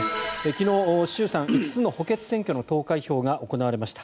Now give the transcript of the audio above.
昨日、衆参５つの補欠選挙の投開票が行われました。